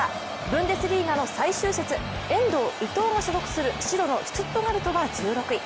ブンデスリーガの最終節、遠藤、伊藤が所属する白のシュツットガルトは１６位。